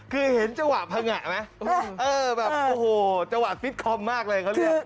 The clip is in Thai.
คือเห็นเจ้าหวัดพังหะไหมเออแบบโอ้โหเจ้าหวัดฟิตคอมมากอะไรเขาเรียก